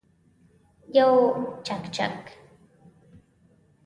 یو چکچک